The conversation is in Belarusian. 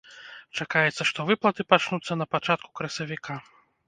Чакаецца, што выплаты пачнуцца на пачатку красавіка.